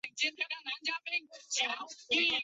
天保六年僧稠参与小南海石窟的重新开凿。